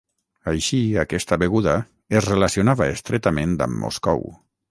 Així, aquesta beguda es relacionava estretament amb Moscou.